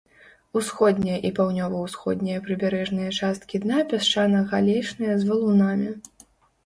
Усходняя і паўднёва-ўсходняя прыбярэжныя часткі дна пясчана-галечныя з валунамі.